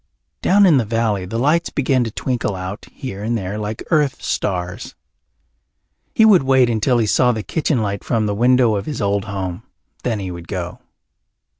Down in the valley the lights began to twinkle out here and there like earth stars. He would wait until he saw the kitchen light from the window of his old home. Then he would go.